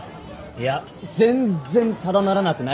いや全っ然ただならなくないですよ。